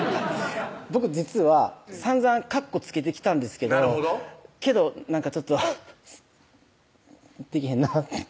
僕実はさんざんかっこつけてきたんですけどけどなんかちょっとハハッできへんな